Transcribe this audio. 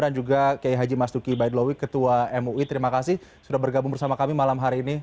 dan juga k h mastuki baitulowi ketua mui terima kasih sudah bergabung bersama kami malam hari ini